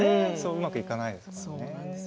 うまくいかないですからね。